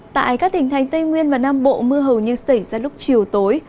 tại các tỉnh thành tây nguyên và nam bộ mưa hầu như xảy ra lúc chiều tối